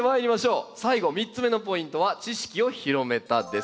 最後３つ目のポイントは「知識を広めた」です。